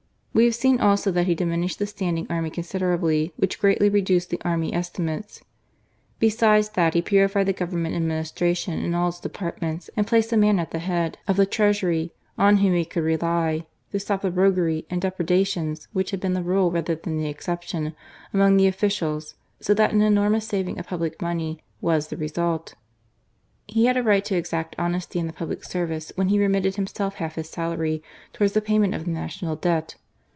We have seen also that he diminished the standing army considerably, which greatly reduced the Army Estimates. Besides that, he purified the Govern ment administration in all its departments, and placed a man at the head of the Treasury on whom he could rely, to stop the roguery and depredations which had been the rule rather than the exception among the officials ; so that an enormous saving of 253 GARCIA MOHENO public money was the result. He had a right to exact honesty in the public service, when he remitted himself half his salary towards the payment of the national debt.